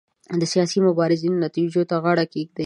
د سیاسي مبارزو نتیجو ته غاړه کېږدي.